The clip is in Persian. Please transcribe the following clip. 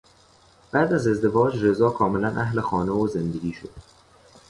بعد از ازدواج رضا کاملا اهل خانه و زندگی شد.